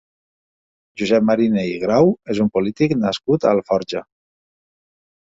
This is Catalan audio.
Josep Mariné i Grau és un polític nascut a Alforja.